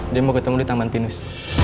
dia mau ketemu di taman pinus